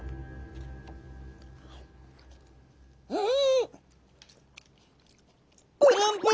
うん！